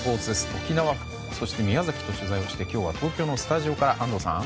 沖縄、そして宮崎と取材をして今日は東京のスタジオから安藤さん。